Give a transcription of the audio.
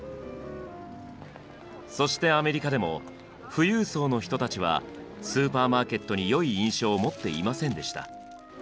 そしてアメリカでも富裕層の人たちはスーパーマーケットによい印象を持っていませんでした。